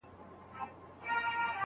له سهاره تر ماښامه به کړېږم